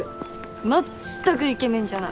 全くイケメンじゃない。